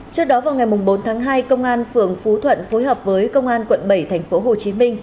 trước đó vào ngày bốn tháng hai công an phường phú thuận phối hợp với công an quận bảy tp hcm